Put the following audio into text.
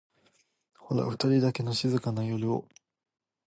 ホラふたりだけの静かな夜を